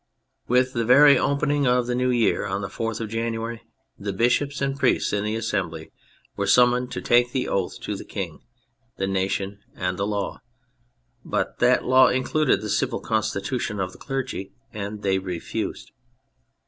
With the very opening of the new year, on the 4th of January, the bishops and priests in the Assembly were summoned to take the oath to the Kjng, the Nation, and the Law; but that law included the Civil Constitution of the Clergy, and they refused.